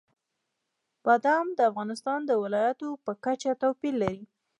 بادام د افغانستان د ولایاتو په کچه توپیر لري.